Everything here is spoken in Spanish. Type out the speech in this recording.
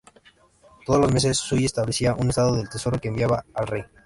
Todos los meses, Sully establecía un estado del Tesoro que enviaba al rey.